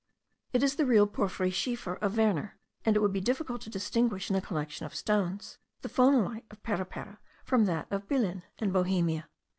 It is the real porphyrschiefer of Werner; and it would be difficult to distinguish, in a collection of stones, the phonolite of Parapara from that of Bilin, in Bohemia.